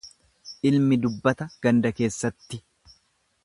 Ilmi dubbata ganda keessatti.